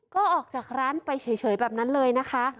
ก็ออกจากร้านไปเฉยแบบนั้นเลยนะคะ